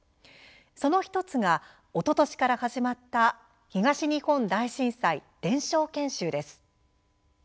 その１つがおととしから始まった「東日本大震災伝承研修」です。